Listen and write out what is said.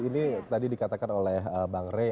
ini tadi dikatakan oleh bang rey